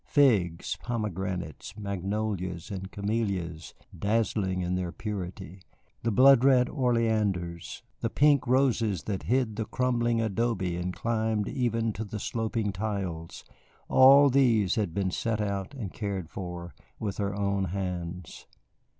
Figs, pomegranates, magnolias; the camellias dazzling in their purity; the blood red oleanders; the pink roses that hid the crumbling adobe and climbed even to the sloping tiles, all these had been set out and cared for with her own hands.